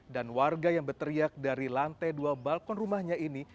dan warga yang berteriak dari lantai dua balkon rumahnya ini